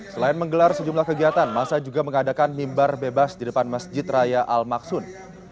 selain menggelar sejumlah kegiatan masa juga mengadakan mimbar bebas di depan masjid raya al maksun